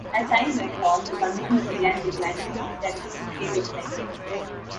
As time went on, the conditions began declining due to several decades of neglect.